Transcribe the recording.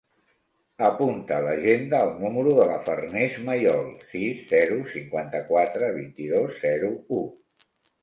Apunta a l'agenda el número de la Farners Mayol: sis, zero, cinquanta-quatre, vint-i-dos, zero, u.